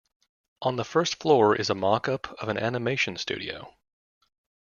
On the first floor is a mock-up of an animation studio.